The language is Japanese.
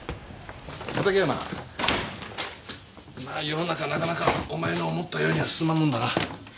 世の中なかなかお前の思ったようには進まんもんだな。